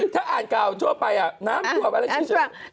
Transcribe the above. ถ้าอ่านเก่าทั่วชั่วไปน้ำน้ำตั่วไปแล้วชีช